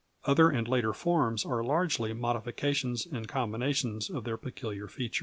Other and later forms are largely modifications and combinations of their peculiar features.